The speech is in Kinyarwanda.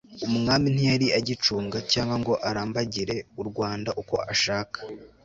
umwami ntiyari agicunga cyangwa ngo arambagire u rwanda uko ashaka